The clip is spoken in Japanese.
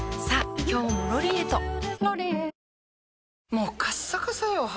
もうカッサカサよ肌。